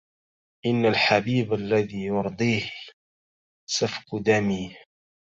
إن الحبيب الذي يرضيه سفك دمي